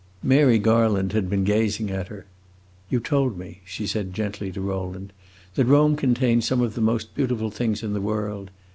Mary Garland had been gazing at her. "You told me," she said gently, to Rowland, "that Rome contained some of the most beautiful things in the world.